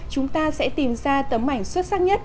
chúng ta sẽ tìm ra tấm ảnh xuất sắc nhất